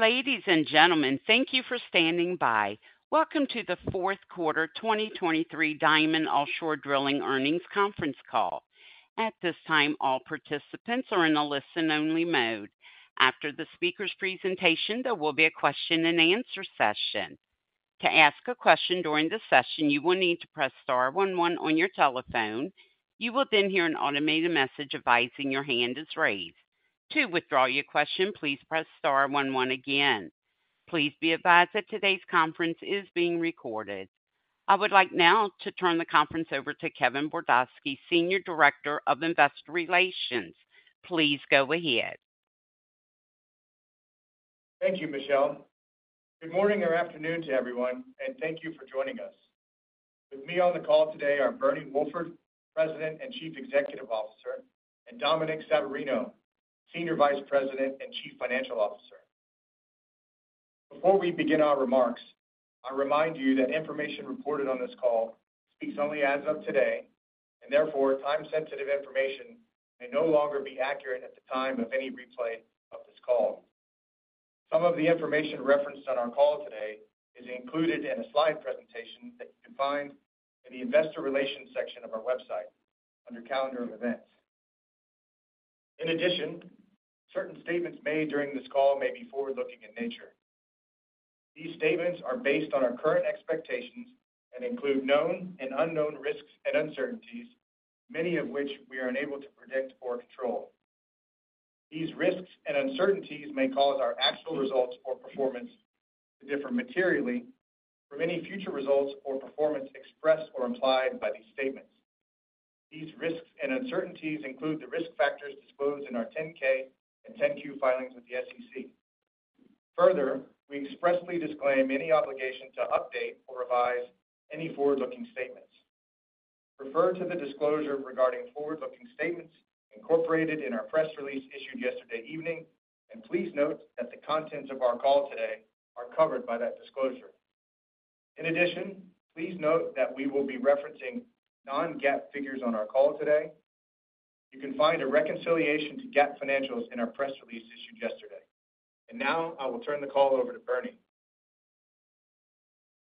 Ladies and gentlemen, thank you for standing by. Welcome to the fourth quarter 2023 Diamond Offshore Drilling Earnings Conference Call. At this time, all participants are in a listen-only mode. After the speaker's presentation, there will be a question-and-answer session. To ask a question during the session, you will need to press star one one on your telephone. You will then hear an automated message advising your hand is raised. To withdraw your question, please press star one one again. Please be advised that today's conference is being recorded. I would like now to turn the conference over to Kevin Bordosky, Senior Director of Investor Relations. Please go ahead. Thank you, Michelle. Good morning or afternoon to everyone, and thank you for joining us. With me on the call today are Bernie Wolford, President and Chief Executive Officer, and Dominic Savarino, Senior Vice President and Chief Financial Officer. Before we begin our remarks, I remind you that information reported on this call speaks only as of today, and therefore, time-sensitive information may no longer be accurate at the time of any replay of this call. Some of the information referenced on our call today is included in a slide presentation that you can find in the Investor Relations section of our website under Calendar of Events. In addition, certain statements made during this call may be forward-looking in nature. These statements are based on our current expectations and include known and unknown risks and uncertainties, many of which we are unable to predict or control. These risks and uncertainties may cause our actual results or performance to differ materially from any future results or performance expressed or implied by these statements. These risks and uncertainties include the risk factors disclosed in our 10-K and 10-Q filings with the SEC. Further, we expressly disclaim any obligation to update or revise any forward-looking statements. Refer to the disclosure regarding forward-looking statements incorporated in our press release issued yesterday evening, and please note that the contents of our call today are covered by that disclosure. In addition, please note that we will be referencing non-GAAP figures on our call today. You can find a reconciliation to GAAP financials in our press release issued yesterday. And now I will turn the call over to Bernie.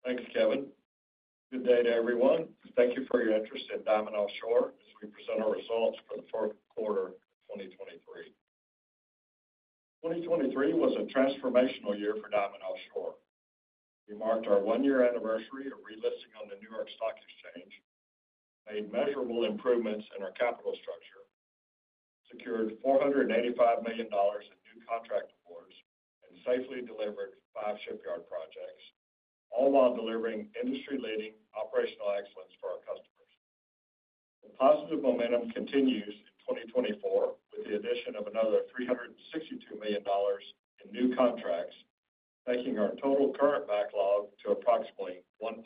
Thanks, Kevin. Good day to everyone. Thank you for your interest in Diamond Offshore as we present our results for the fourth quarter of 2023. 2023 was a transformational year for Diamond Offshore. We marked our one-year anniversary of relisting on the New York Stock Exchange, made measurable improvements in our capital structure, secured $485 million in new contract awards, and safely delivered five shipyard projects, all while delivering industry-leading operational excellence for our customers. The positive momentum continues in 2024 with the addition of another $362 million in new contracts, taking our total current backlog to approximately $1.6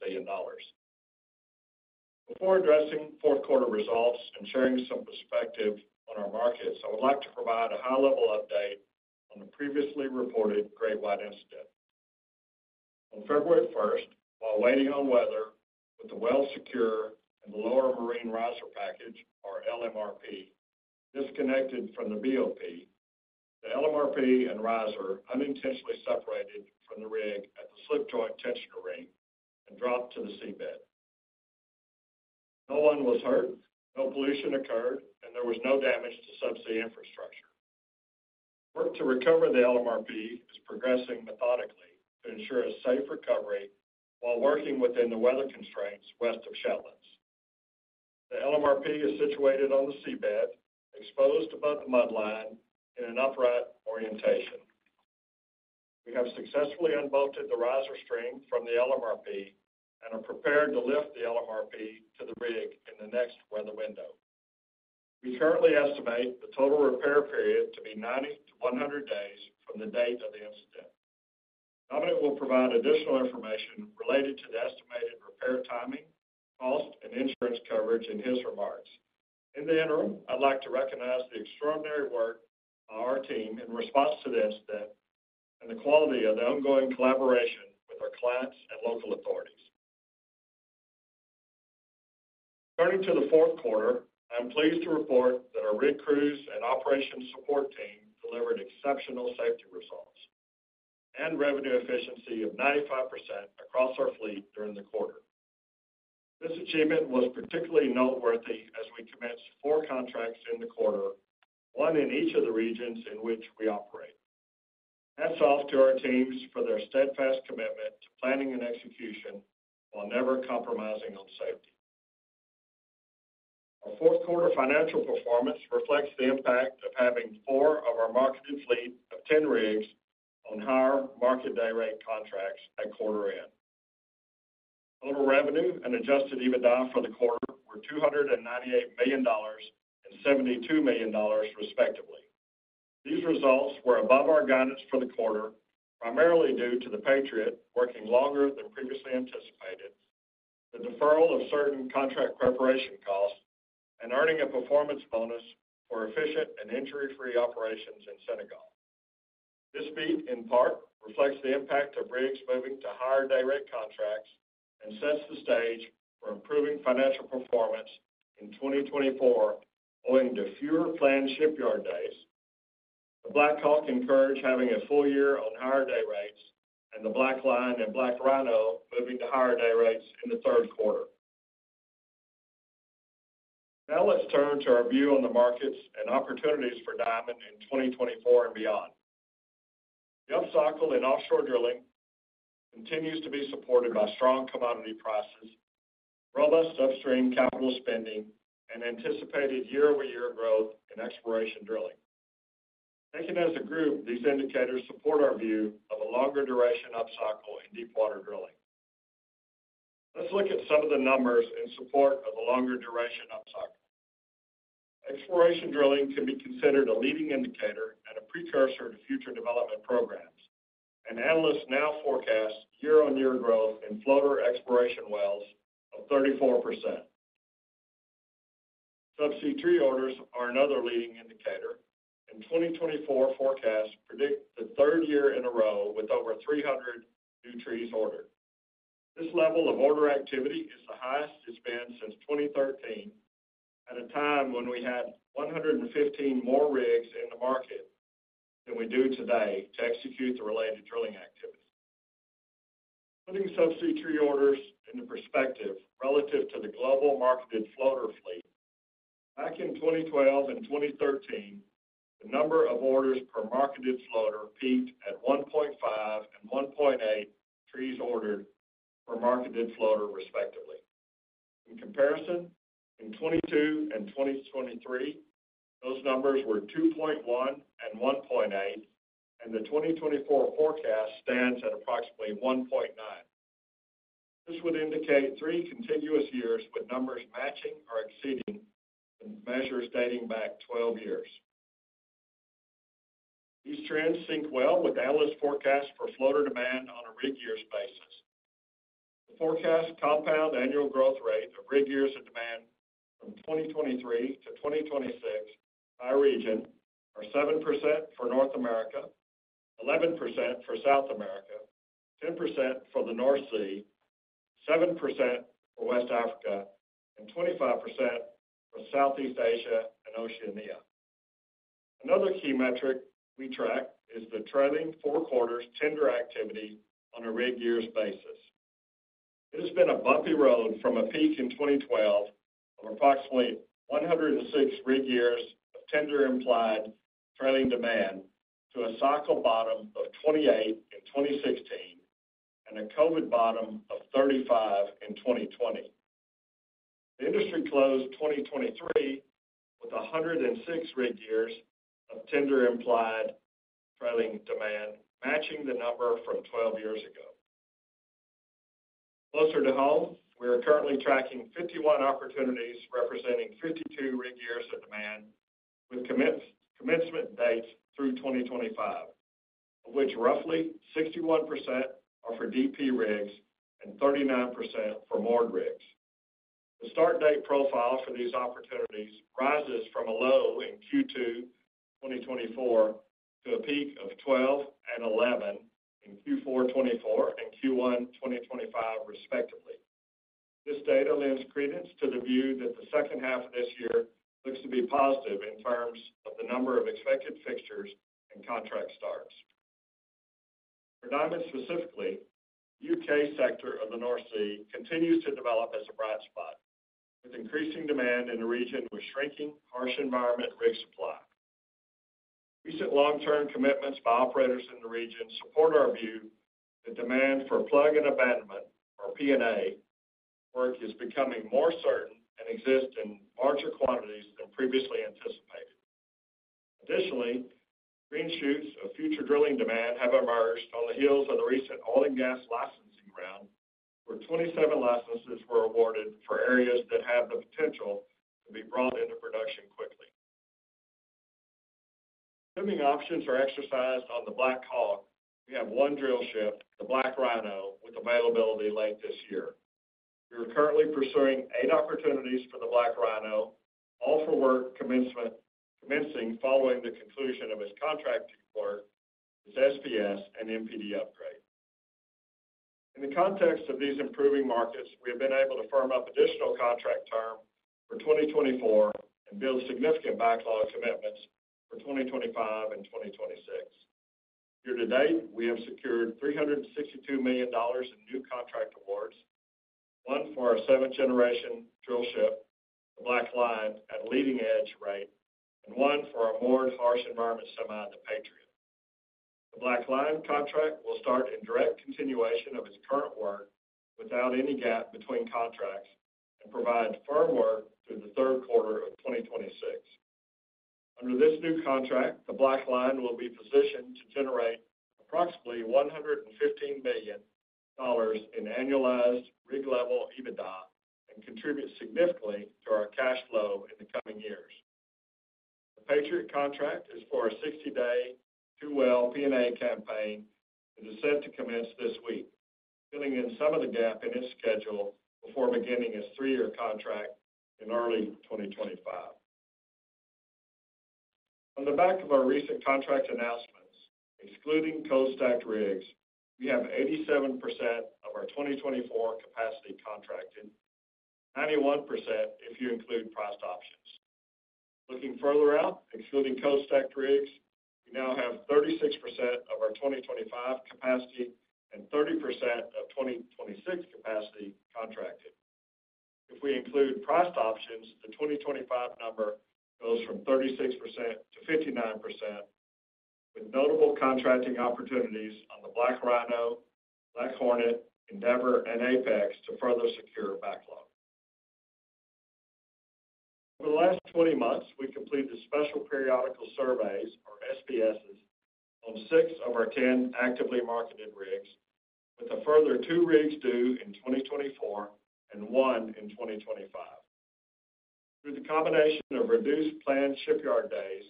billion. Before addressing fourth quarter results and sharing some perspective on our markets, I would like to provide a high-level update on the previously reported GreatWhite incident. On February first, while waiting on weather with the well secure and the lower marine riser package, or LMRP, disconnected from the BOP, the LMRP and riser unintentionally separated from the rig at the slip joint tensioner ring and dropped to the seabed. No one was hurt, no pollution occurred, and there was no damage to subsea infrastructure. Work to recover the LMRP is progressing methodically to ensure a safe recovery while working within the weather constraints west of Shetlands. The LMRP is situated on the seabed, exposed above the mud line in an upright orientation. We have successfully unbolted the riser string from the LMRP and are prepared to lift the LMRP to the rig in the next weather window. We currently estimate the total repair period to be 90-100 days from the date of the incident. Dominic will provide additional information related to the estimated repair timing, cost, and insurance coverage in his remarks. In the interim, I'd like to recognize the extraordinary work of our team in response to this incident and the quality of the ongoing collaboration with our clients and local authorities. Turning to the fourth quarter, I'm pleased to report that our rig crews and operations support team delivered exceptional safety results and revenue efficiency of 95% across our fleet during the quarter. This achievement was particularly noteworthy as we commenced four contracts in the quarter, one in each of the regions in which we operate. Hats off to our teams for their steadfast commitment to planning and execution while never compromising on safety. Our fourth quarter financial performance reflects the impact of having four of our marketed fleet of 10 rigs on higher market dayrate contracts at quarter end. Total revenue and adjusted EBITDA for the quarter were $298 million and $72 million, respectively. These results were above our guidance for the quarter, primarily due to the Patriot working longer than previously anticipated, the deferral of certain contract preparation costs, and earning a performance bonus for efficient and injury-free operations in Senegal. This beat reflects the impact of rigs moving to higher day rate contracts and sets the stage for improving financial performance in 2024, owing to fewer planned shipyard days. The BlackHawk encouraged having a full-year on higher day rates and the BlackLion and BlackRhino moving to higher day rates in the third quarter. Now let's turn to our view on the markets and opportunities for Diamond in 2024 and beyond. The upcycle in offshore drilling continues to be supported by strong commodity prices, robust upstream capital spending, and anticipated year-over-year growth in exploration drilling. Taken as a group, these indicators support our view of a longer duration upcycle in deepwater drilling. Let's look at some of the numbers in support of a longer duration upcycle. Exploration drilling can be considered a leading indicator and a precursor to future development programs, and analysts now forecast year-on-year growth in floater exploration wells of 34%. Subsea tree orders are another leading indicator, and 2024 forecasts predict the third year in a row with over 300 new trees ordered. This level of order activity is the highest it's been since 2013, at a time when we had 115 more rigs in the market than we do today to execute the related drilling activities. Putting subsea tree orders into perspective relative to the global marketed floater fleet. Back in 2012 and 2013, the number of orders per marketed floater peaked at 1.5 and 1.8 trees ordered per marketed floater, respectively. In comparison, in 2022 and 2023, those numbers were 2.1 and 1.8, and the 2024 forecast stands at approximately 1.9. This would indicate three contiguous years with numbers matching or exceeding measures dating back 12 years. These trends sync well with analyst forecasts for floater demand on a rig years basis. The forecast compound annual growth rate of rig years of demand from 2023-2026 by region are 7% for North America, 11% for South America, 10% for the North Sea, 7% for West Africa, and 25% for Southeast Asia and Oceania. Another key metric we track is the trailing four quarters tender activity on a rig years basis. It has been a bumpy road from a peak in 2012 of approximately 106 rig years of tender-implied trailing demand to a cycle bottom of 28 in 2016 and a COVID bottom of 35 in 2020. The industry closed 2023 with 106 rig years of tender-implied trailing demand, matching the number from twelve years ago. Closer to home, we are currently tracking 51 opportunities, representing 52 rig years of demand, with commencement dates through 2025, of which roughly 61% are for DP rigs and 39% for moored rigs. The start date profile for these opportunities rises from a low in Q2 2024 to a peak of 12 and 11 in Q4 2024 and Q1 2025, respectively. This data lends credence to the view that the second half of this year looks to be positive in terms of the number of expected fixtures and contract starts. For Diamond, specifically, U.K. sector of the North Sea continues to develop as a bright spot, with increasing demand in a region with shrinking harsh environment rig supply. Recent long-term commitments by operators in the region support our view that demand for plug and abandonment, or P&A work, is becoming more certain and exists in larger quantities than previously anticipated. Additionally, green shoots of future drilling demand have emerged on the heels of the recent oil and gas licensing round, where 27 licenses were awarded for areas that have the potential to be brought into production quickly. Assuming options are exercised on the BlackHawk, we have one drillship, the BlackRhino, with availability late this year. We are currently pursuing eight opportunities for the BlackRhino, all for work commencing following the conclusion of its contract work, its SPS, and MPD upgrade. In the context of these improving markets, we have been able to firm up additional contract term for 2024 and build significant backlog commitments for 2025 and 2026. Year to date, we have secured $362 million in new contract awards. One for our seventh-generation drillship, the BlackLion, at leading-edge rate, and one for our moored harsh environment semi, the Patriot. The BlackLion contract will start in direct continuation of its current work, without any gap between contracts, and provide firm work through the third quarter of 2026. Under this new contract, the BlackLion will be positioned to generate approximately $115 million in annualized rig-level EBITDA and contribute significantly to our cash flow in the coming years. The Patriot contract is for a 60-day, two-well P&A campaign and is set to commence this week, filling in some of the gap in its schedule before beginning its three-year contract in early 2025. On the back of our recent contract announcements, excluding cold-stacked rigs, we have 87% of our 2024 capacity contracted, 91% if you include priced options. Looking further out, excluding cold-stacked rigs, we now have 36% of our 2025 capacity and 30% of 2026 capacity contracted. If we include priced options, the 2025 number goes from 36%-59%, with notable contracting opportunities on the BlackRhino, BlackHornet, Endeavor, and Apex to further secure backlog. Over the last 20 months, we completed Special Periodical Surveys, or SPSs, on six of our 10 actively marketed rigs, with a further two rigs due in 2024 and one in 2025. Through the combination of reduced planned shipyard days,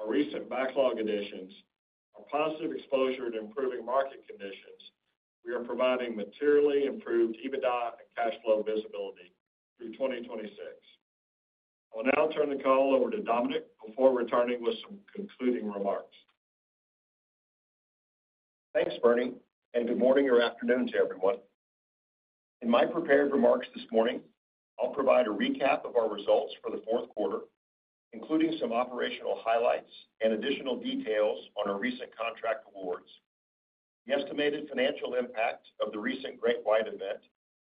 our recent backlog additions, our positive exposure to improving market conditions, we are providing materially improved EBITDA and cash flow visibility through 2026. I'll now turn the call over to Dominic before returning with some concluding remarks. Thanks, Bernie, and good morning or afternoon to everyone. In my prepared remarks this morning, I'll provide a recap of our results for the fourth quarter, including some operational highlights and additional details on our recent contract awards, the estimated financial impact of the recent GreatWhite event,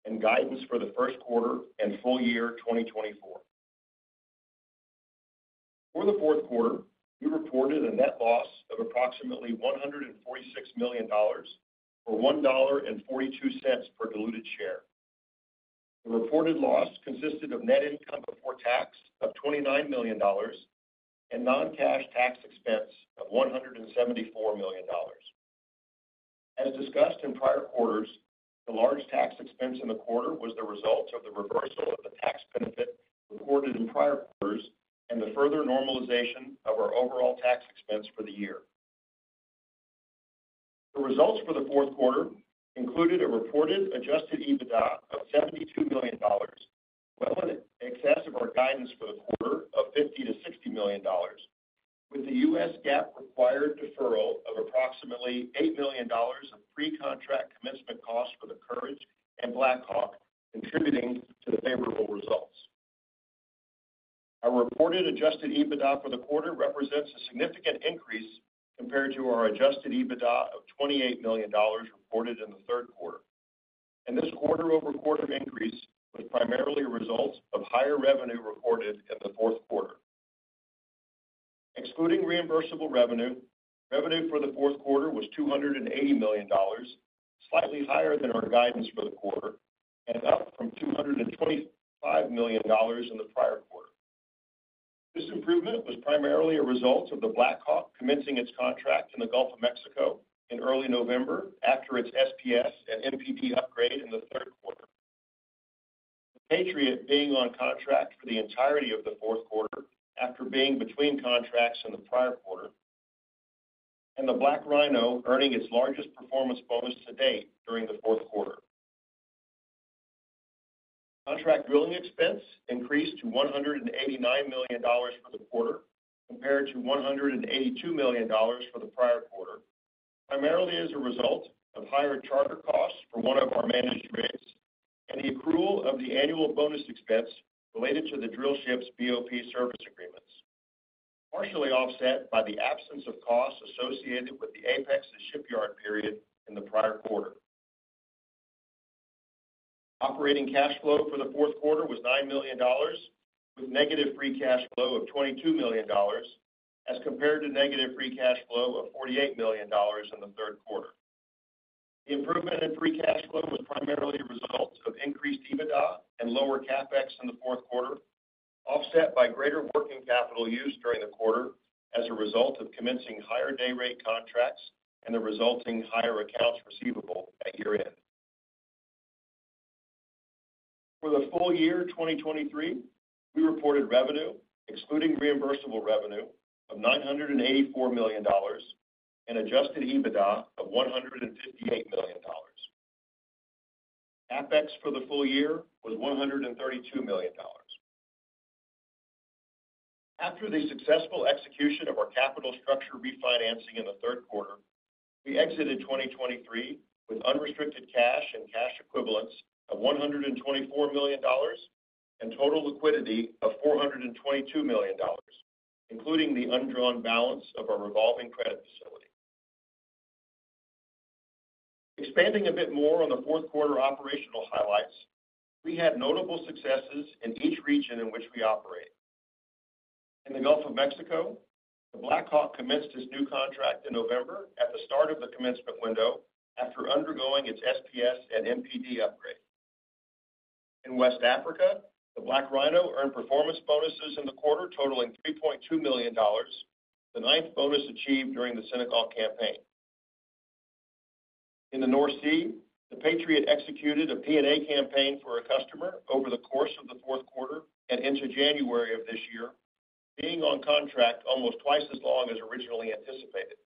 and guidance for the first quarter and full-year 2024. For the fourth quarter, we reported a net loss of approximately $146 million, or $1.42 per diluted share. The reported loss consisted of net income before tax of $29 million and non-cash tax expense of $174 million. As discussed in prior quarters, the large tax expense in the quarter was the result of the reversal of the tax benefit recorded in prior quarters and the further normalization of our overall tax expense for the year. The results for the fourth quarter included a reported adjusted EBITDA of $72 million, well in excess of our guidance for the quarter of $50-$60 million, with the U.S. GAAP required deferral of approximately $8 million of pre-contract commencement costs for the Courage and BlackHawk contributing to the favorable results. Our reported adjusted EBITDA for the quarter represents a significant increase compared to our adjusted EBITDA of $28 million reported in the third quarter. This quarter-over-quarter increase was primarily a result of higher revenue reported in the fourth quarter. Excluding reimbursable revenue, revenue for the fourth quarter was $280 million, slightly higher than our guidance for the quarter and up from $225 million in the prior quarter. This improvement was primarily a result of the BlackHawk commencing its contract in the Gulf of Mexico in early November after its SPS and MPD upgrade in the third quarter, Patriot being on contract for the entirety of the fourth quarter after being between contracts in the prior quarter, and the BlackRhino earning its largest performance bonus to date during the fourth quarter. Contract drilling expense increased to $189 million for the quarter, compared to $182 million for the prior quarter, primarily as a result of higher charter costs for one of our managed rigs and the accrual of the annual bonus expense related to the drillship's BOP service agreements, partially offset by the absence of costs associated with the Apex's shipyard period in the prior quarter. Operating cash flow for the fourth quarter was $9 million, with negative free cash flow of $22 million, as compared to negative free cash flow of $48 million in the third quarter. The improvement in free cash flow was primarily a result of increased EBITDA and lower CapEx in the fourth quarter, offset by greater working capital use during the quarter as a result of commencing higher day rate contracts and the resulting higher accounts receivable at year-end. For the full-year 2023, we reported revenue, excluding reimbursable revenue, of $984 million and adjusted EBITDA of $158 million. CapEx for the full-year was $132 million. After the successful execution of our capital structure refinancing in the third quarter, we exited 2023 with unrestricted cash and cash equivalents of $124 million and total liquidity of $422 million, including the undrawn balance of our revolving credit facility. Expanding a bit more on the fourth quarter operational highlights, we had notable successes in each region in which we operate. In the Gulf of Mexico, the BlackHawk commenced its new contract in November at the start of the commencement window after undergoing its SPS and MPD upgrade. In West Africa, the BlackRhino earned performance bonuses in the quarter totaling $3.2 million, the ninth bonus achieved during the Senegal campaign. In the North Sea, the Patriot executed a P&A campaign for a customer over the course of the fourth quarter and into January of this year, being on contract almost twice as long as originally anticipated.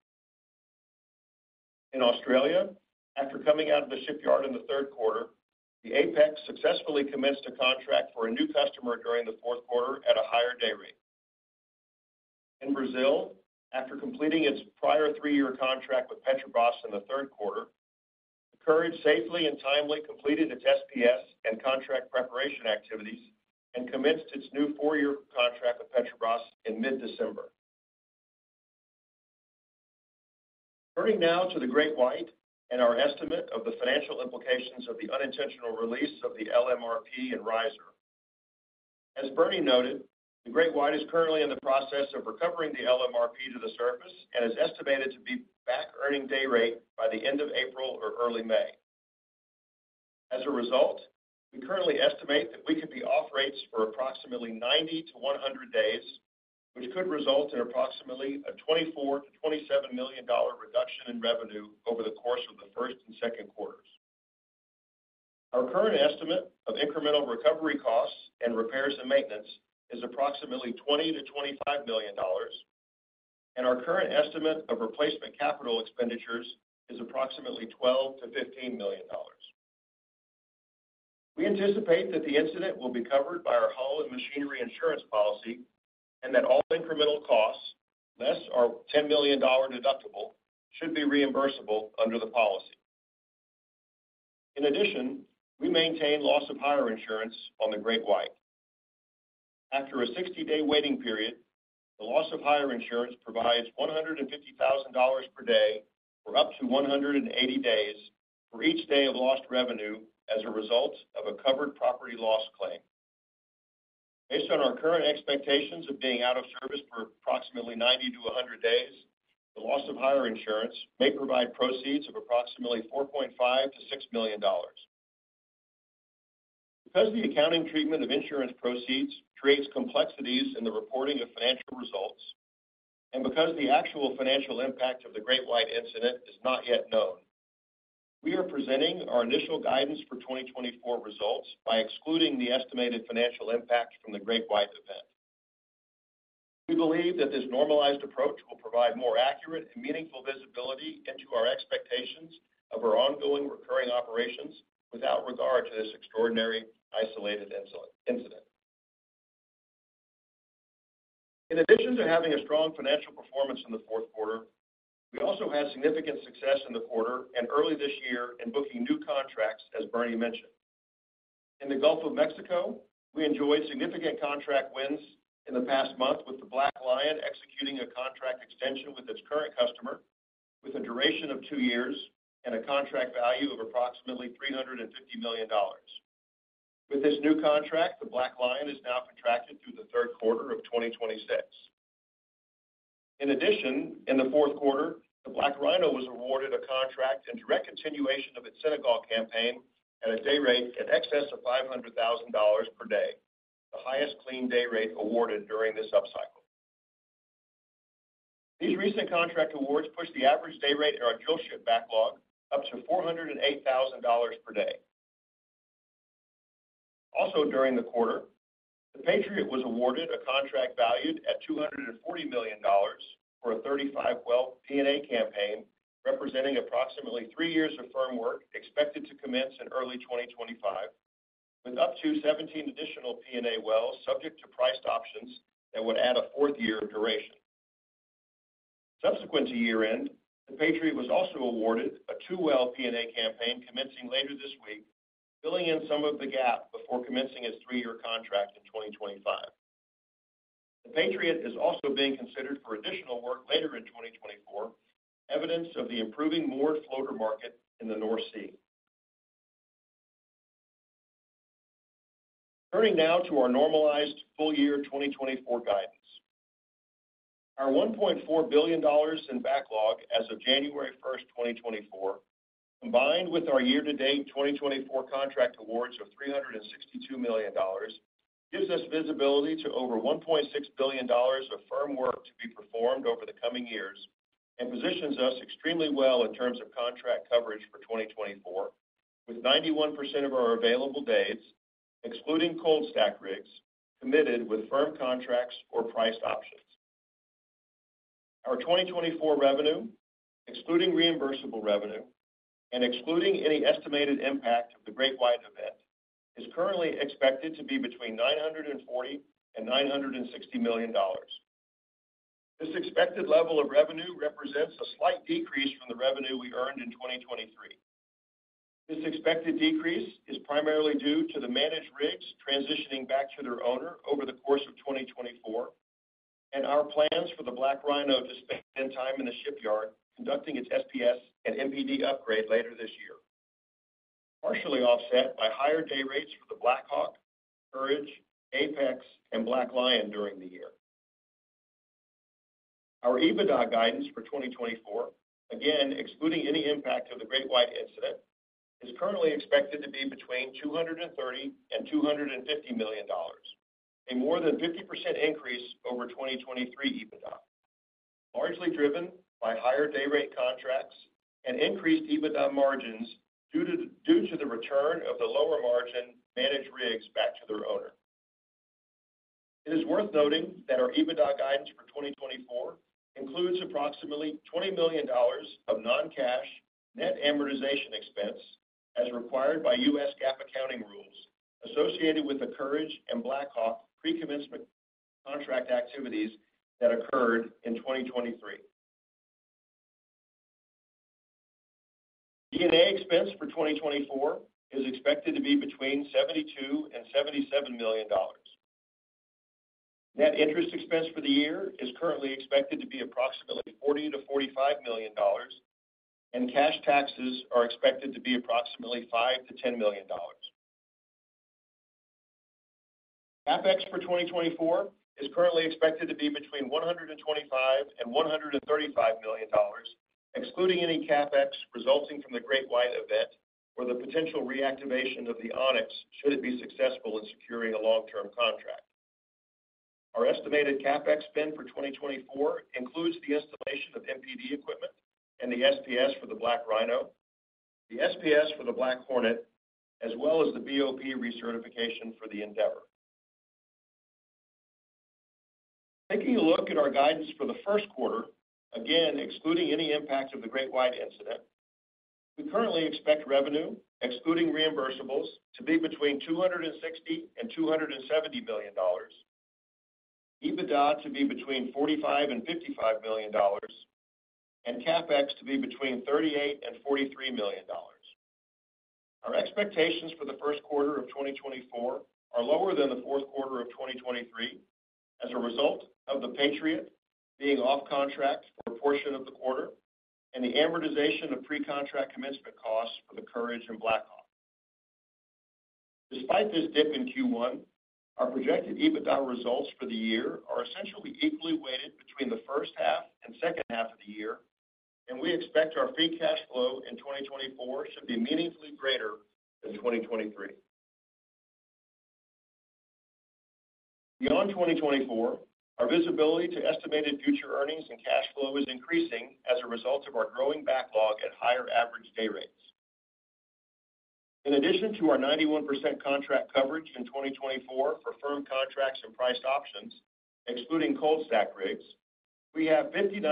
In Australia, after coming out of the shipyard in the third quarter, the Apex successfully commenced a contract for a new customer during the fourth quarter at a higher day rate. In Brazil, after completing its prior three-year contract with Petrobras in the third quarter, the Courage safely and timely completed its SPS and contract preparation activities and commenced its new four-year contract with Petrobras in mid-December. Turning now to the GreatWhite and our estimate of the financial implications of the unintentional release of the LMRP and riser. As Bernie noted, the GreatWhite is currently in the process of recovering the LMRP to the surface and is estimated to be back earning day rate by the end of April or early May. As a result, we currently estimate that we could be off rates for approximately 90-100 days, which could result in approximately a $24-$27 million reduction in revenue over the course of the first and second quarters. Our current estimate of incremental recovery costs and repairs and maintenance is approximately $20-$25 million, and our current estimate of replacement capital expenditures is approximately $12-$15 million. We anticipate that the incident will be covered by our hull and machinery insurance policy, and that all incremental costs, less our $10 million deductible, should be reimbursable under the policy. In addition, we maintain loss of hire insurance on the GreatWhite. After a 60-day waiting period, the loss of hire insurance provides $150,000 per day for up to 180 days for each day of lost revenue as a result of a covered property loss claim. Based on our current expectations of being out of service for approximately 90-100 days, the loss of hire insurance may provide proceeds of approximately $4.5-$6 million. Because the accounting treatment of insurance proceeds creates complexities in the reporting of financial results, and because the actual financial impact of the GreatWhite incident is not yet known, we are presenting our initial guidance for 2024 results by excluding the estimated financial impact from the GreatWhite event. We believe that this normalized approach will provide more accurate and meaningful visibility into our expectations of our ongoing recurring operations, without regard to this extraordinary isolated incident. In addition to having a strong financial performance in the fourth quarter, we also had significant success in the quarter and early this year in booking new contracts, as Bernie mentioned. In the Gulf of Mexico, we enjoyed significant contract wins in the past month with the BlackLion executing a contract extension with its current customer, with a duration of two years and a contract value of approximately $350 million. With this new contract, the BlackLion is now contracted through the third quarter of 2026. In addition, in the fourth quarter, the BlackRhino was awarded a contract in direct continuation of its Senegal campaign at a day rate in excess of $500,000 per day, the highest clean day rate awarded during this upcycle. These recent contract awards pushed the average day rate in our drillship backlog up to $408,000 per day. Also, during the quarter, the Patriot was awarded a contract valued at $240 million for a 35-well P&A campaign, representing approximately three years of firm work, expected to commence in early 2025, with up to 17 additional P&A wells, subject to priced options that would add a fourth year of duration. Subsequent to year-end, the Patriot was also awarded a two-well P&A campaign commencing later this week, filling in some of the gap before commencing its three-year contract in 2025. The Patriot is also being considered for additional work later in 2024, evidence of the improving moored floater market in the North Sea. Turning now to our normalized full-year 2024 guidance. Our $1.4 billion in backlog as of January 1, 2024, combined with our year-to-date 2024 contract awards of $362 million, gives us visibility to over $1.6 billion of firm work to be performed over the coming years, and positions us extremely well in terms of contract coverage for 2024, with 91% of our available days, excluding cold-stacked rigs, committed with firm contracts or priced options. Our 2024 revenue, excluding reimbursable revenue and excluding any estimated impact of the GreatWhite event, is currently expected to be between $940 million and $960 million. This expected level of revenue represents a slight decrease from the revenue we earned in 2023. This expected decrease is primarily due to the managed rigs transitioning back to their owner over the course of 2024, and our plans for the BlackRhino to spend time in the shipyard conducting its SPS and MPD upgrade later this year. Partially offset by higher day rates for the BlackHawk, Courage, Apex and BlackLion during the year. Our EBITDA guidance for 2024, again, excluding any impact of the GreatWhite incident, is currently expected to be between $230 million and $250 million, a more than 50% increase over 2023 EBITDA, largely driven by higher day rate contracts and increased EBITDA margins due to the return of the lower margin managed rigs back to their owner. It is worth noting that our EBITDA guidance for 2024 includes approximately $20 million of non-cash net amortization expense as required by U.S. GAAP accounting rules, associated with the Courage and BlackHawk pre-commencement contract activities that occurred in 2023. G&A expense for 2024 is expected to be between $72 million and $77 million. Net interest expense for the year is currently expected to be approximately $40-$45 million, and cash taxes are expected to be approximately $5-$10 million. CapEx for 2024 is currently expected to be between $125-$135 million, excluding any CapEx resulting from the GreatWhite event or the potential reactivation of the Onyx, should it be successful in securing a long-term contract. Our estimated CapEx spend for 2024 includes the installation of MPD equipment and the SPS for the BlackRhino, the SPS for the BlackHornet, as well as the BOP recertification for the Endeavor. Taking a look at our guidance for the first quarter, again, excluding any impact of the GreatWhite incident, we currently expect revenue, excluding reimbursables, to be between $260 million and $270 million, EBITDA to be between $45 million and $55 million, and CapEx to be between $38 million and $43 million. Our expectations for the first quarter of 2024 are lower than the fourth quarter of 2023 as a result of the Patriot being off contract for a portion of the quarter and the amortization of pre-contract commencement costs for the Courage and Blackhawk. Despite this dip in Q1, our projected EBITDA results for the year are essentially equally weighted between the first half and second half of the year, and we expect our free cash flow in 2024 should be meaningfully greater than 2023. Beyond 2024, our visibility to estimated future earnings and cash flow is increasing as a result of our growing backlog at higher average day rates. In addition to our 91% contract coverage in 2024 for firm contracts and priced options, excluding cold stack rates, we have 59%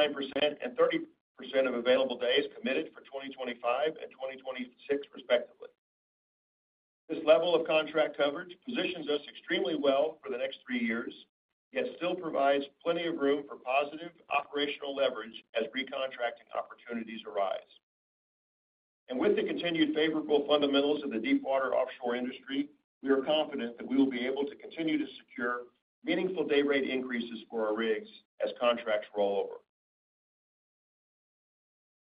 and 30% of available days committed for 2025 and 2026, respectively. This level of contract coverage positions us extremely well for the next three years, yet still provides plenty of room for positive operational leverage as recontracting opportunities arise. With the continued favorable fundamentals of the deepwater offshore industry, we are confident that we will be able to continue to secure meaningful day rate increases for our rigs as contracts roll over.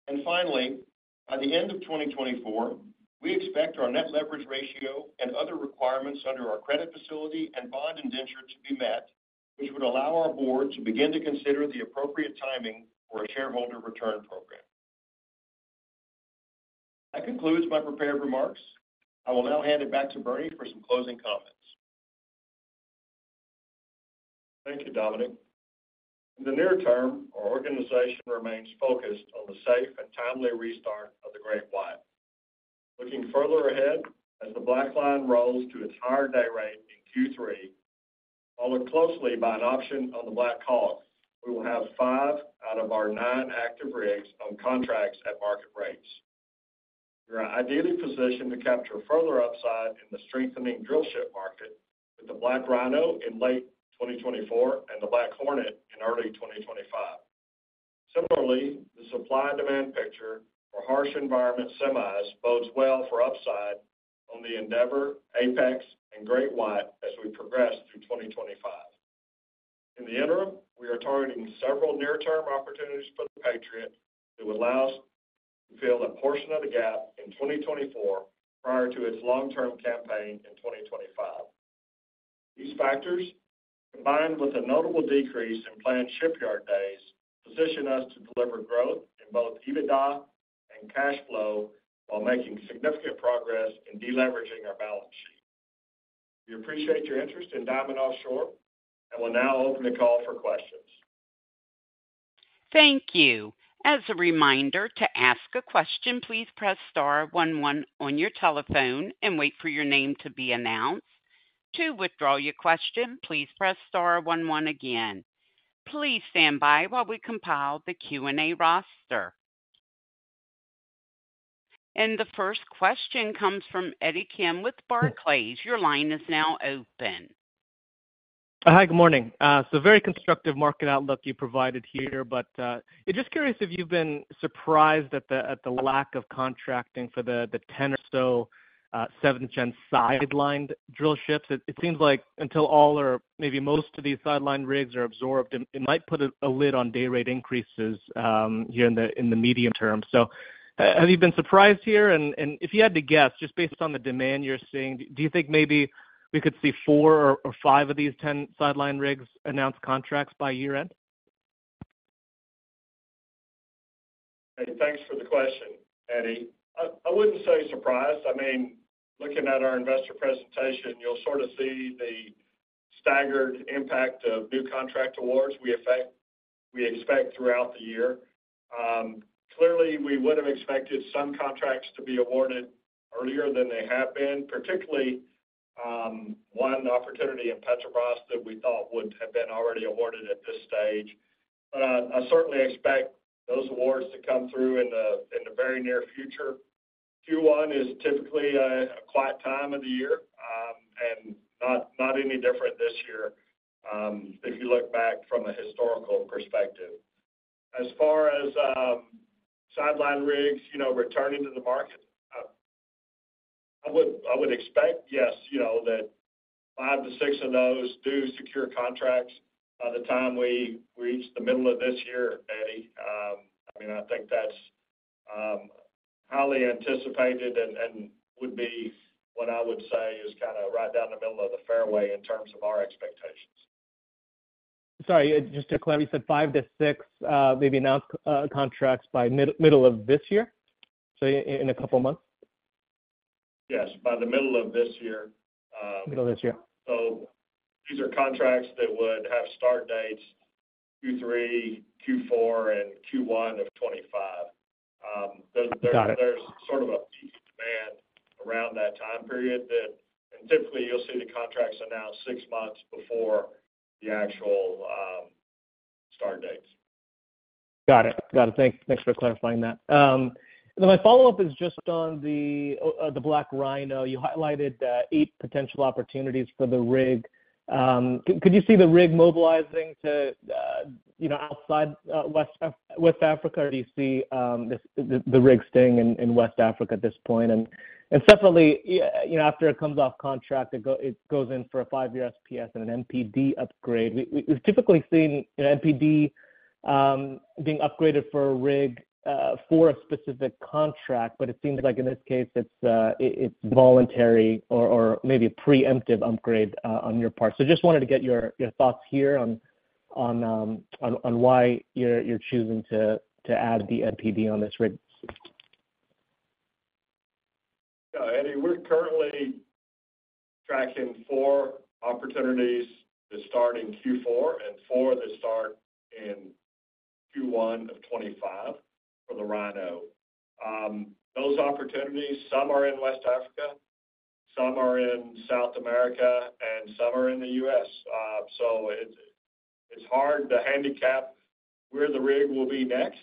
And finally, by the end of 2024, we expect our net leverage ratio and other requirements under our credit facility and bond indenture to be met, which would allow our board to begin to consider the appropriate timing for a shareholder return program. That concludes my prepared remarks. I will now hand it back to Bernie for some closing comments. Thank you, Dominic. In the near term, our organization remains focused on the safe and timely restart of the GreatWhite. Looking further ahead, as the BlackLion rolls to its higher day rate in Q3, followed closely by an option on the BlackHawk, we will have five out of our nine active rigs on contracts at market rates. We are ideally positioned to capture further upside in the strengthening drillship market with the BlackRhino in late 2024 and the BlackHornet in early 2025. Similarly, the supply-demand picture for harsh environment semis bodes well for upside on the Endeavor, Apex and GreatWhite as we progress through 2025. In the interim, we are targeting several near-term opportunities for the Patriot that will allow us to fill a portion of the gap in 2024 prior to its long-term campaign in 2025. These factors, combined with a notable decrease in planned shipyard days, position us to deliver growth in both EBITDA and cash flow while making significant progress in deleveraging our balance sheet. We appreciate your interest in Diamond Offshore, and we'll now open the call for questions. Thank you. As a reminder, to ask a question, please press star one one on your telephone and wait for your name to be announced. To withdraw your question, please press star one one again. Please stand by while we compile the Q&A roster. The first question comes from Eddie Kim with Barclays. Your line is now open. Hi, good morning. So very constructive market outlook you provided here, but just curious if you've been surprised at the lack of contracting for the 10 or so seventh gen sidelined drillships. It seems like until all or maybe most of these sidelined rigs are absorbed, it might put a lid on day rate increases here in the medium term. So have you been surprised here? And if you had to guess, just based on the demand you're seeing, do you think maybe we could see four or five of these 10 sidelined rigs announce contracts by year-end? Thanks for the question, Eddie. I wouldn't say surprised. I mean, looking at our investor presentation, you'll sort of see the staggered impact of new contract awards we expect throughout the year. Clearly, we would have expected some contracts to be awarded earlier than they have been, particularly one opportunity in Petrobras that we thought would have been already awarded at this stage. But I certainly expect those awards to come through in the very near future. Q1 is typically a quiet time of the year, and not any different this year, if you look back from a historical perspective. As far as sidelined rigs, you know, returning to the market, I would, I would expect, yes, you know, that 5-6 of those do secure contracts by the time we reach the middle of this year, Eddie. I mean, I think that's highly anticipated and, and would be what I would say is kinda right down the middle of the fairway in terms of our expectations. Sorry, just to clarify, you said 5-6, maybe announced, contracts by mid to middle of this year? So in a couple of months. Yes, by the middle of this year. Middle of this year. These are contracts that would have start dates Q3, Q4, and Q1 of 2025. Got it. There's sort of a peak demand around that time period and typically, you'll see the contracts announced six months before the actual start dates. Got it. Got it. Thanks for clarifying that. Then my follow-up is just on the BlackRhino. You highlighted the eight potential opportunities for the rig. Could you see the rig mobilizing to, you know, outside West Africa? Or do you see the rig staying in West Africa at this point? And separately, you know, after it comes off contract, it goes in for a five-year SPS and an MPD upgrade. We've typically seen an MPD being upgraded for a rig for a specific contract, but it seems like in this case, it's voluntary or maybe a preemptive upgrade on your part. So, just wanted to get your thoughts here on why you're choosing to add the MPD on this rig. Yeah, Eddie, we're currently tracking four opportunities to start in Q4 and four to start in Q1 of 2025 for the Rhino. Those opportunities, some are in West Africa, some are in South America, and some are in the U.S. So it's, it's hard to handicap where the rig will be next,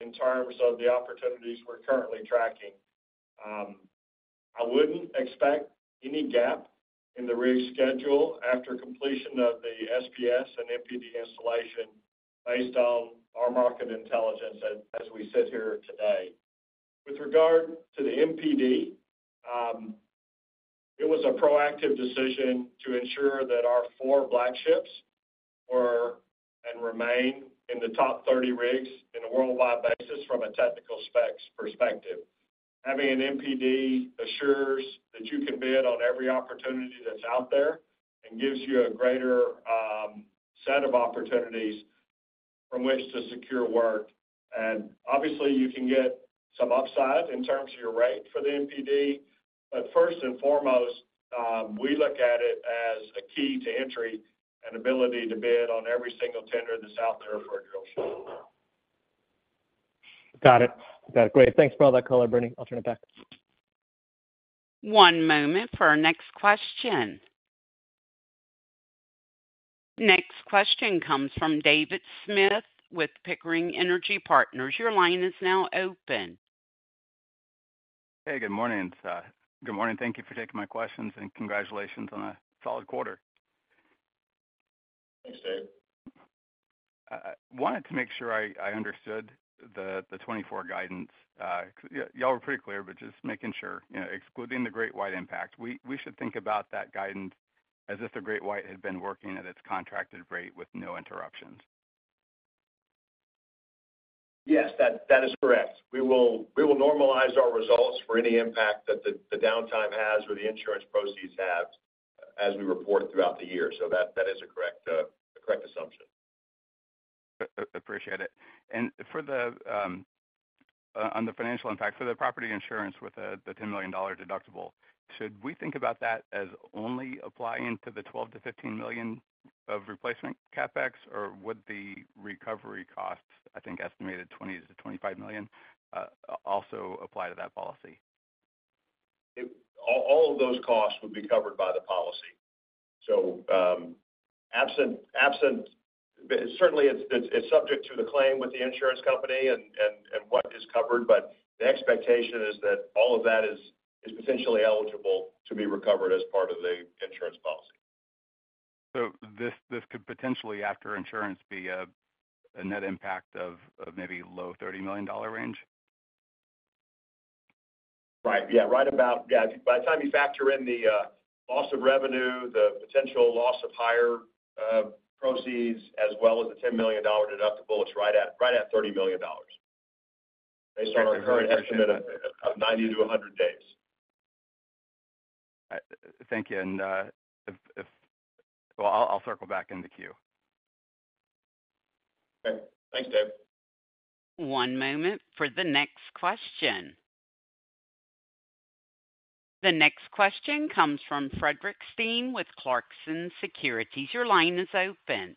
in terms of the opportunities we're currently tracking. I wouldn't expect any gap in the rig schedule after completion of the SPS and MPD installation based on our market intelligence as, as we sit here today. With regard to the MPD, it was a proactive decision to ensure that our four black ships are and remain in the top 30 rigs on a worldwide basis from a technical specs perspective. Having an MPD assures that you can bid on every opportunity that's out there and gives you a greater set of opportunities from which to secure work. And obviously, you can get some upside in terms of your rate for the MPD. But first and foremost, we look at it as a key to entry and ability to bid on every single tender that's out there for a drillship. Got it. Got it. Great. Thanks for all that color, Bernie. I'll turn it back. One moment for our next question. Next question comes from David Smith with Pickering Energy Partners. Your line is now open. Hey, good morning. Good morning, thank you for taking my questions, and congratulations on a solid quarter. Thanks, Dave. I wanted to make sure I understood the 2024 guidance. Yeah, y'all were pretty clear, but just making sure, you know, excluding the GreatWhite impact, we should think about that guidance as if the GreatWhite had been working at its contracted rate with no interruptions? Yes, that is correct. We will normalize our results for any impact that the downtime has or the insurance proceeds have as we report throughout the year. So that is a correct assumption. Appreciate it. And for the financial impact, for the property insurance with the $10 million deductible, should we think about that as only applying to the $12-$15 million of replacement CapEx? Or would the recovery costs, I think, estimated $20-$25 million, also apply to that policy? All of those costs would be covered by the policy. So, absent, certainly, it's subject to the claim with the insurance company and what is covered, but the expectation is that all of that is potentially eligible to be recovered as part of the insurance policy. So this could potentially, after insurance, be a net impact of maybe low $30 million range? Right. Yeah, right about. Yeah, by the time you factor in the loss of revenue, the potential loss of higher proceeds, as well as the $10 million deductible, it's right at, right at $30 million, based on our current estimate of 90-100 days. Thank you. And if. Well, I'll circle back in the queue. Okay. Thanks, Dave. One moment for the next question. The next question comes from Fredrik Stene with Clarkson Securities. Your line is open.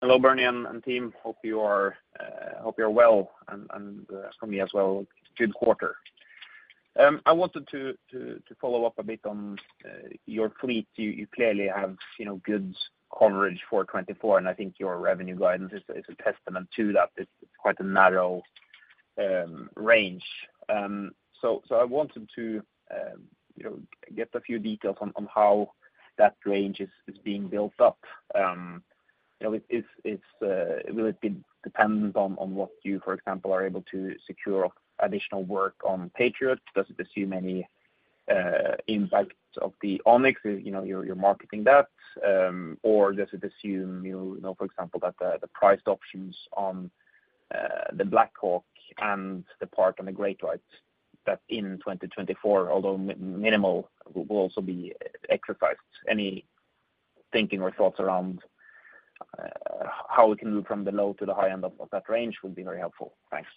Hello, Bernie and team. Hope you are hope you're well, and from me as well. Good quarter. I wanted to follow up a bit on your fleet. You clearly have, you know, good coverage for 2024, and I think your revenue guidance is a testament to that. It's quite a narrow range. So I wanted to, you know, get a few details on how that range is being built up. You know, if it will be dependent on what you, for example, are able to secure additional work on Patriot? Does it assume any impact of the Onyx, you know, you're marketing that, or does it assume, you know, for example, that the priced options on the BlackHawk and the part on the GreatWhite that in 2024, although minimal, will also be exercised? Any thinking or thoughts around how we can move from the low to the high end of that range would be very helpful. Thanks.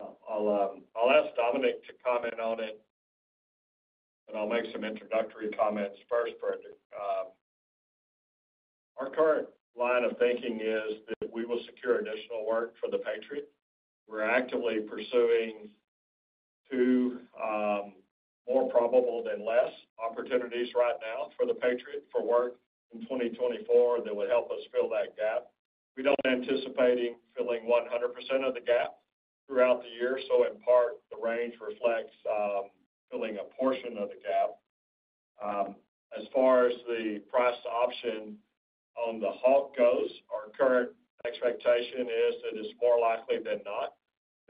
I'll ask Dominic to comment on it, but I'll make some introductory comments first, Fredrik. Our current line of thinking is that we will secure additional work for the Patriot. We're actively pursuing two, more probable than not opportunities right now for the Patriot for work in 2024 that would help us fill that gap. We don't anticipate filling 100% of the gap throughout the year, so in part, the range reflects, filling a portion of the gap. As far as the priced option on the Hawk goes, our current expectation is that it's more likely than not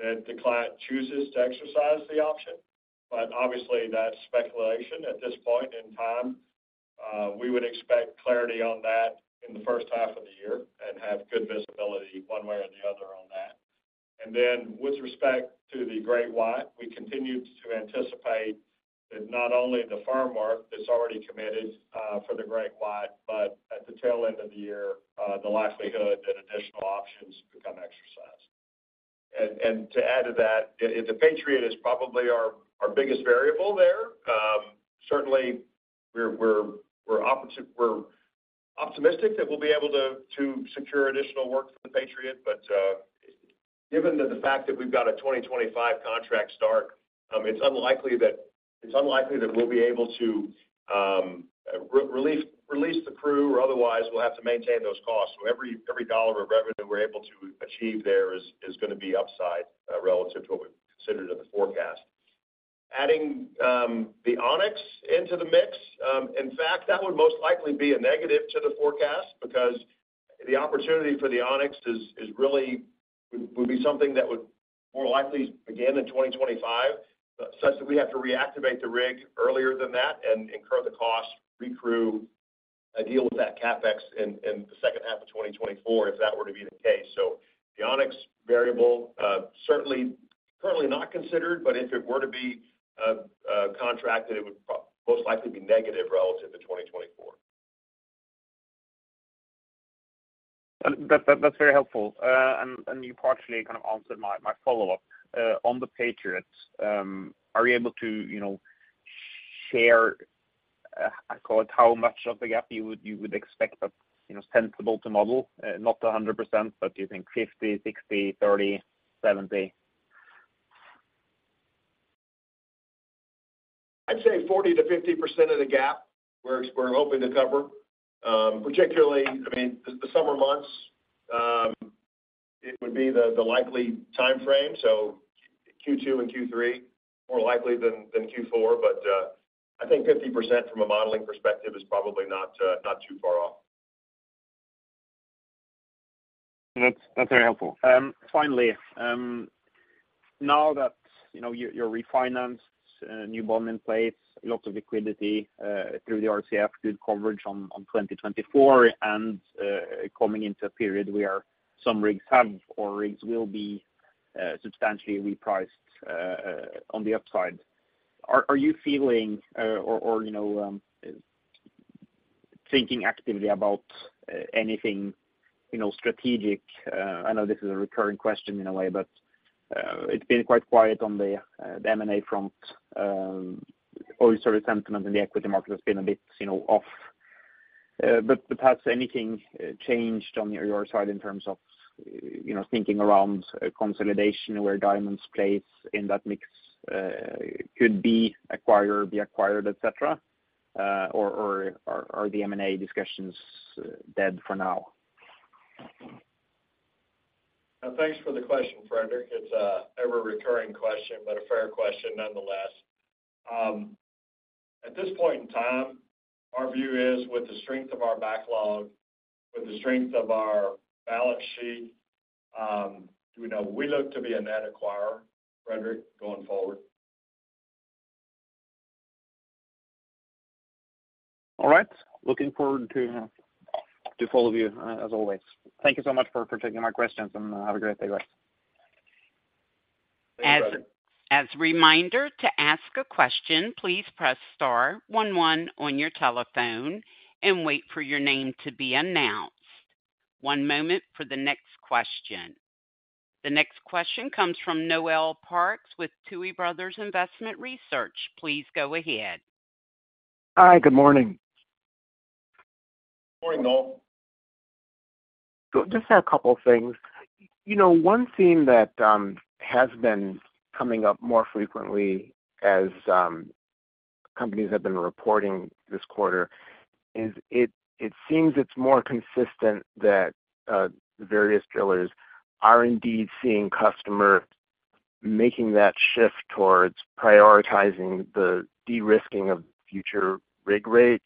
that the client chooses to exercise the option. But obviously, that's speculation at this point in time. We would expect clarity on that in the first half of the year and have good visibility one way or the other on that. And then, with respect to the GreatWhite, we continue to anticipate that not only the firm work that's already committed for the GreatWhite, but at the tail end of the year, the likelihood that additional options become exercised. To add to that, the Patriot is probably our biggest variable there. Certainly, we're optimistic that we'll be able to secure additional work for the Patriot, but given the fact that we've got a 2025 contract start, it's unlikely that we'll be able to release the crew or otherwise we'll have to maintain those costs. So every dollar of revenue we're able to achieve there is gonna be upside relative to what we've considered in the forecast. Adding the Onyx into the mix, in fact, that would most likely be a negative to the forecast because the opportunity for the Onyx would be something that would more likely begin in 2025, such that we'd have to reactivate the rig earlier than that and incur the cost, recrew, deal with that CapEx in the second half of 2024, if that were to be the case. So the Onyx variable certainly, currently not considered, but if it were to be contracted, it would most likely be negative relative to 2024. That's very helpful. And you partially kind of answered my follow-up. On the Patriot, are you able to, you know, share, I call it, how much of the gap you would expect that, you know, sensible to model? Not 100%, but you think 50, 60, 30, 70? I'd say 40%-50% of the gap we're hoping to cover. Particularly, I mean, the summer months, it would be the likely timeframe. So Q2 and Q3, more likely than Q4, but I think 50% from a modeling perspective is probably not too far off. That's, that's very helpful. Finally, now that, you know, you're refinanced, new bond in place, lots of liquidity through the RCF, good coverage on 2024, and coming into a period where some rigs have or rigs will be substantially repriced on the upside. Are you feeling or you know thinking actively about anything, you know, strategic? I know this is a recurring question in a way, but it's been quite quiet on the M&A front. Oil sort of sentiment in the equity market has been a bit, you know, off. But perhaps anything changed on your side in terms of, you know, thinking around consolidation, where Diamond plays in that mix, could be acquired, be acquired, et cetera, or, or, are, are the M&A discussions dead for now? Thanks for the question, Fredrik. It's a ever-recurring question, but a fair question nonetheless. At this point in time, our view is with the strength of our backlog, with the strength of our balance sheet, you know, we look to be a net acquirer, Fredrik, going forward. All right. Looking forward to follow you, as always. Thank you so much for taking my questions, and have a great day, guys. Thanks, Fredrik. As a reminder, to ask a question, please press star one one on your telephone and wait for your name to be announced. One moment for the next question. The next question comes from Noel Parks with Tuohy Brothers Investment Research. Please go ahead. Hi, good morning. Good morning, Noel. So just have a couple of things. You know, one theme that has been coming up more frequently as companies have been reporting this quarter, is it seems it's more consistent that the various drillers are indeed seeing customers making that shift towards prioritizing the de-risking of future rig rates,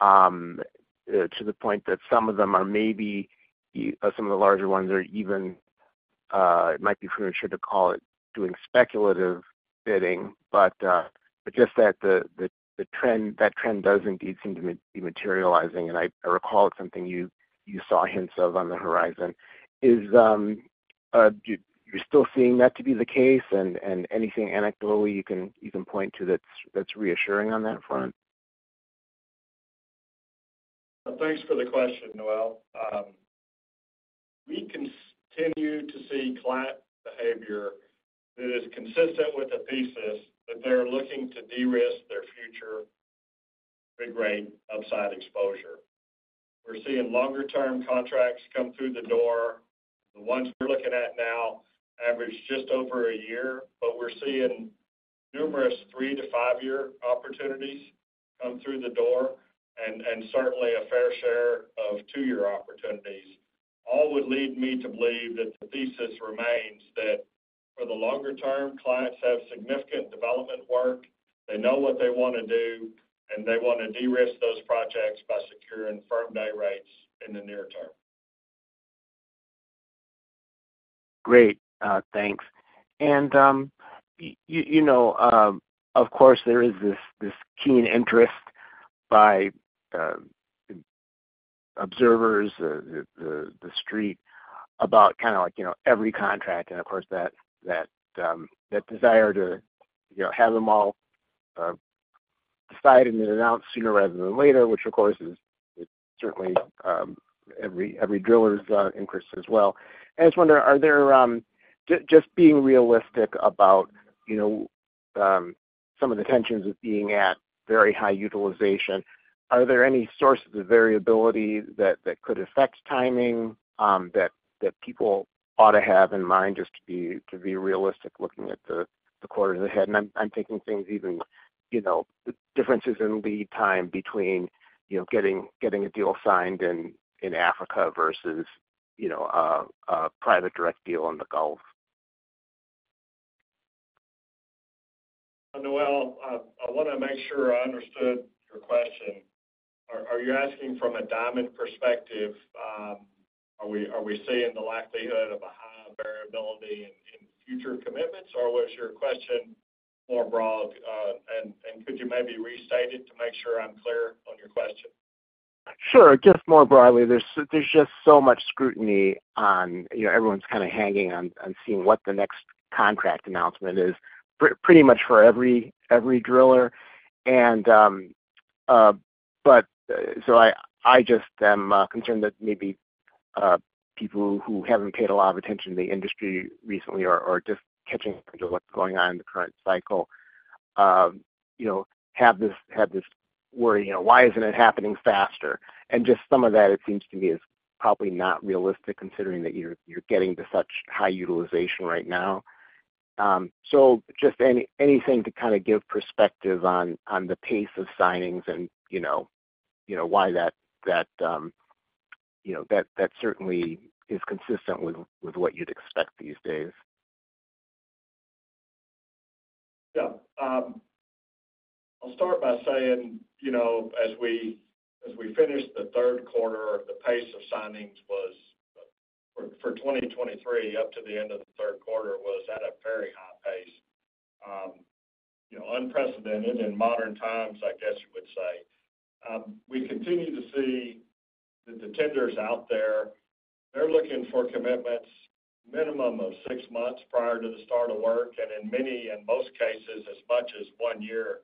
to the point that some of them are maybe, some of the larger ones are even it might be premature to call it doing speculative bidding. But, but just that the trend, that trend does indeed seem to be materializing, and I recall it's something you saw hints of on the horizon. Is you you're still seeing that to be the case, and anything anecdotally you can point to that's reassuring on that front? Thanks for the question, Noel. We continue to see client behavior that is consistent with the thesis that they're looking to de-risk their future rig rate upside exposure. We're seeing longer-term contracts come through the door. The ones we're looking at now average just over a year, but we're seeing numerous 3-5-year opportunities come through the door and certainly a fair share of two-year opportunities. All would lead me to believe that the thesis remains that for the longer term, clients have significant development work. They know what they want to do, and they want to de-risk those projects by securing firm day rates in the near term. Great, thanks. And, you know, of course, there is this keen interest by observers, the Street, about kind of like, you know, every contract and, of course, that desire to, you know, have them all, decided and announced sooner rather than later, which, of course, is certainly, every driller's interest as well. I just wonder, are there. Just, just being realistic about, you know, some of the tensions of being at very high utilization, are there any sources of variability that could affect timing, that people ought to have in mind just to be realistic, looking at the quarters ahead? And I'm thinking things even, you know, differences in lead time between, you know, getting a deal signed in Africa versus, you know, a private direct deal in the Gulf. Noel, I want to make sure I understood your question. Are you asking from a Diamond perspective, are we seeing the likelihood of a high variability in future commitments? Or was your question more broad? And could you maybe restate it to make sure I'm clear on your question? Sure. Just more broadly, there's just so much scrutiny on. You know, everyone's kind of hanging on and seeing what the next contract announcement is, pretty much for every driller. But so I just am concerned that maybe people who haven't paid a lot of attention to the industry recently are just catching up into what's going on in the current cycle. You know, have this worry, you know, why isn't it happening faster? And just some of that, it seems to me, is probably not realistic, considering that you're getting to such high utilization right now. So just anything to kind of give perspective on the pace of signings and, you know, you know, why that certainly is consistent with what you'd expect these days. Yeah. I'll start by saying, you know, as we, as we finished the third quarter, the pace of signings was, for 2023, up to the end of the third quarter, was at a very high pace. You know, unprecedented in modern times, I guess you would say. We continue to see that the tenders out there, they're looking for commitments minimum of six months prior to the start of work, and in many, in most cases, as much as one year,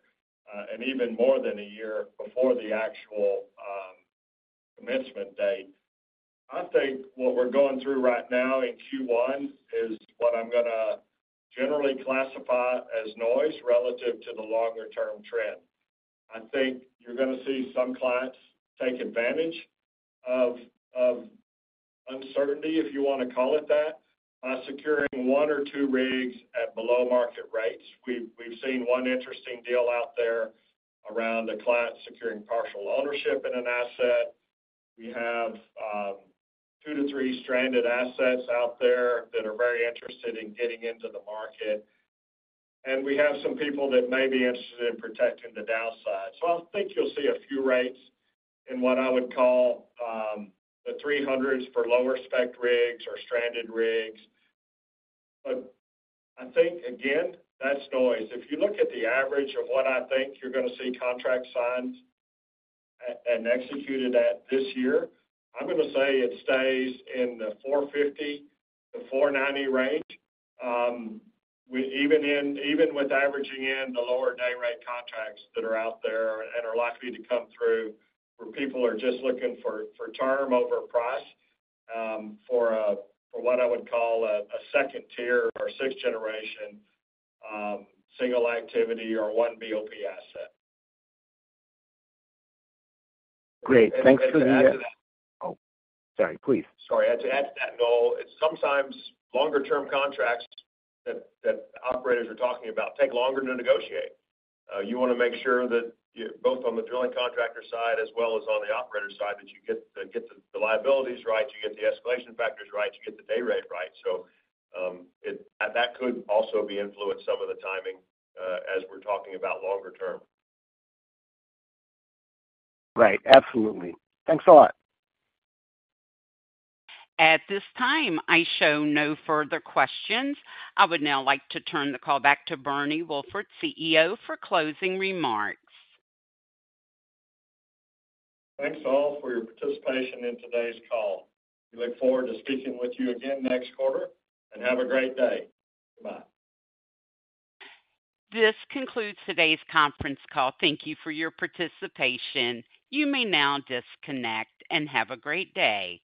and even more than a year before the actual commencement date. I think what we're going through right now in Q1 is what I'm gonna generally classify as noise relative to the longer-term trend. I think you're gonna see some clients take advantage of uncertainty, if you want to call it that, by securing one or two rigs at below-market rates. We've seen one interesting deal out there around a client securing partial ownership in an asset. We have 2-3 stranded assets out there that are very interested in getting into the market, and we have some people that may be interested in protecting the downside. So I think you'll see a few rates in what I would call the $300s for lower-spec rigs or stranded rigs. But I think, again, that's noise. If you look at the average of what I think you're gonna see contracts signed and executed at this year, I'm gonna say it stays in the $450-$490 range. Even with averaging in the lower day rate contracts that are out there and are likely to come through, where people are just looking for term over price, for what I would call a second tier or sixth-generation single activity or one BOP asset. Great, thanks for the, And to add to that, Oh, sorry. Please. Sorry. To add to that, Noel, it's sometimes longer-term contracts that, that operators are talking about take longer to negotiate. You want to make sure that, both on the drilling contractor side as well as on the operator side, that you get the, get the liabilities right, you get the escalation factors right, you get the day rate right. So, that could also influence some of the timing, as we're talking about longer term. Right. Absolutely. Thanks a lot. At this time, I show no further questions. I would now like to turn the call back to Bernie Wolford, CEO, for closing remarks. Thanks, all, for your participation in today's call. We look forward to speaking with you again next quarter, and have a great day. Bye. This concludes today's conference call. Thank you for your participation. You may now disconnect and have a great day.